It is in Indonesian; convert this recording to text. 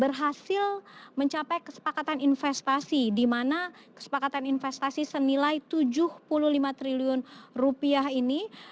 berhasil mencapai kesepakatan investasi di mana kesepakatan investasi senilai tujuh puluh lima triliun rupiah ini